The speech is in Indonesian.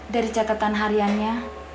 dari catatan hariannya